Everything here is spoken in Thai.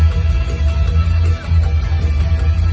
มันเป็นเมื่อไหร่แล้ว